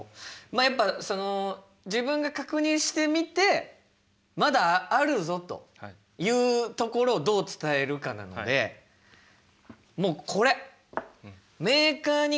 あやっぱ自分が確認してみてまだあるぞというところをどう伝えるかなのでもうこれ！